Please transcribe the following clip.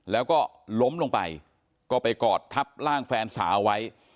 แล้วก็ล้มลงไปก็ไปกอดทับร่างแฟนสาวไว้